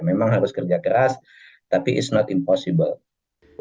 memang harus kerja keras tapi it's not impossible